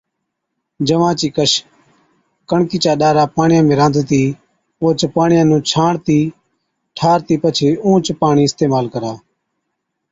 جَوا چِي ڪش، ڪڻڪِي چا ڏارا پاڻِيان ۾ رانڌتِي اوهچ پاڻِيان نُون ڇاڻتِي ٺارتِي پڇي اُونهچ پاڻِي اِستعمال ڪرا۔